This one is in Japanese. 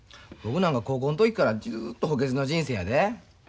僕なんか高校の時からずっと補欠の人生やで。